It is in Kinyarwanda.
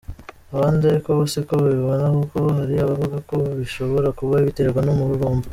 Abandi ariko bo siko babibona kuko hari abavuga ko bishobora kuba biterwa n’umururumba.